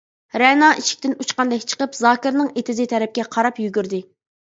رەنا، ئىشىكتىن ئۇچقاندەك چىقىپ، زاكىرنىڭ ئېتىزى تەرەپكە قاراپ يۈگۈردى.